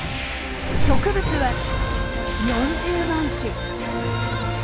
植物は４０万種。